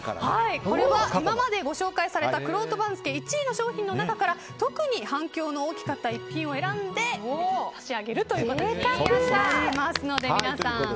これは今までご紹介されたくろうと番付１位の商品の中から特に反響の大きかった一品を選んで差し上げるということです。